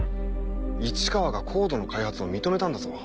市川がＣＯＤＥの開発を認めたんだぞ？